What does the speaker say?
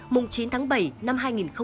mùng chín tháng bảy năm hai nghìn một mươi tám